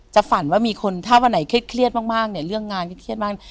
ฝันว่ามีคนถ้าวันไหนเครียดมากเนี่ยเรื่องงานก็เครียดมาก